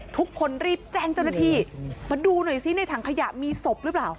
ทุกคนรีบแจ้งเจ้าหน้าที่มาดูหน่อยซิในถังขยะมีศพหรือเปล่า